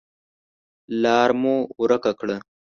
لار مو ورکه کړه .